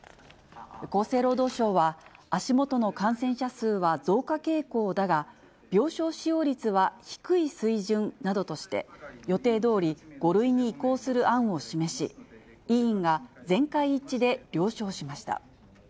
厚生労働省は、足元の感染者数は増加傾向だが病床使用率は低い水準などとして、予定どおり、５類に移行する案を示し、委員が全会一致で了承しました。